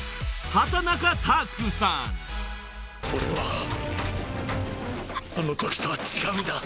「俺はあのときとは違うんだ」